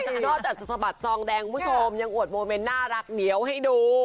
นอกจากสะบัดซองแดงคุณผู้ชมยังอวดโมเมนต์น่ารักเหนียวให้ดู